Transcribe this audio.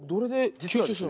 実はですね